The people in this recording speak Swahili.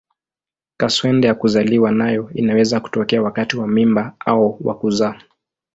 Kaswende ya kuzaliwa nayo inaweza kutokea wakati wa mimba au wa kuzaa.